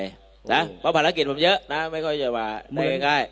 เพราะภารกิจผมเยอะนะไม่ค่อยจะมาพูดง่าย